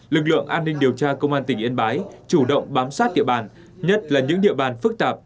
lực lượng an ninh điều tra công an tỉnh yên bái chủ động bám sát địa bàn nhất là những địa bàn phức tạp